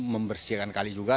membersihkan kali juga